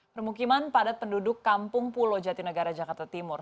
permukiman padat penduduk kampung pulau jatinegara jakarta timur